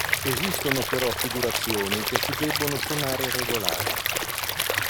Esistono però figurazioni che si debbono suonare regolari.